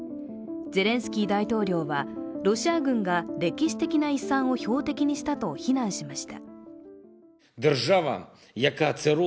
ゼレンスキー大統領はロシア軍が歴史的な遺産を標的にしたと非難しました。